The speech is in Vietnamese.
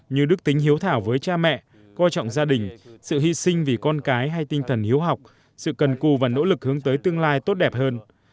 như đức tính hiếu thảo với cha mẹ coi trọng gia đình sự hy sinh vì con cái hay tinh thần hiếu học sự cần cù và nỗ lực hướng tới tương lai tốt đẹp hơn